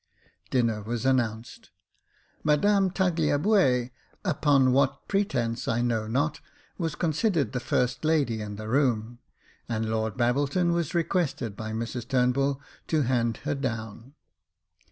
Dinner was announced. Madame Tagliabue, upon what pretence I know not, was considered the first lady in the room, and Lord Babbleton was requested by Mrs Turnbull to hand her down.